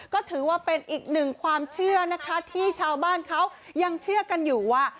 ก็ถือว่าเป็นอีกหนึ่งความเชื่อนะคะที่ชาวบ้านเขายังเชื่อกันอยู่ว่า